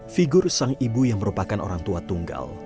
figur sang ibu yang merupakan orang tua tunggal